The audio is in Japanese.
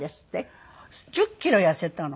１０キロ痩せたの。